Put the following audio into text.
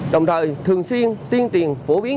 đồng thời thường xuyên tuyên truyền phổ biến